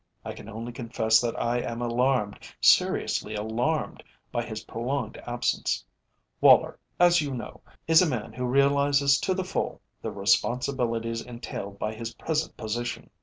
"I can only confess that I am alarmed, seriously alarmed, by his prolonged absence. Woller, as you know, is a man who realises to the full the responsibilities entailed by his present position.